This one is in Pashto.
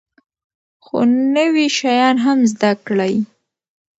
خو نوي شیان هم زده کړئ.